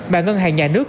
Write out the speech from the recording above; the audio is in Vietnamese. mà ngân hàng nhà nước